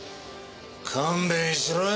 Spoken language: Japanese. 勘弁しろよ